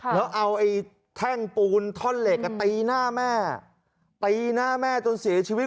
แล้วเอาไอ้แท่งปูนท่อนเหล็กตีหน้าแม่ตีหน้าแม่จนเสียชีวิต